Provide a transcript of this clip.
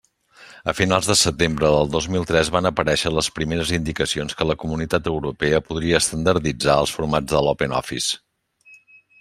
A finals de setembre del dos mil tres van aparèixer les primeres indicacions que la Comunitat Europea podria estandarditzar els formats de l'OpenOffice.